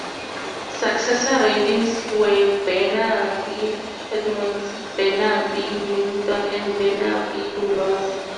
Successor ridings were Burnaby-Edmonds, Burnaby-Willingdon and Burnaby North.